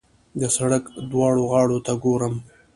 د سړک دواړو غاړو ته ګورم.